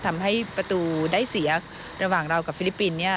ทำให้ประตูได้เสียระหว่างเรากับฟิลิปปินส์